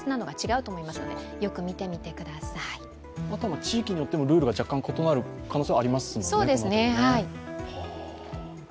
地域によってもルールが若干異なる可能性もありますね。